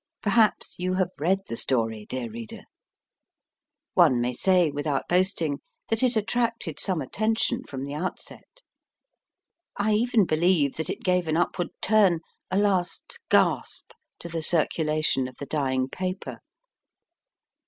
Perhaps you have read the story, dear reader. One may say without boasting that it attracted WALTER BESANT n some attention from the outset. I even believe that it gave an upward turn a last gasp to the circulation of the dying paper.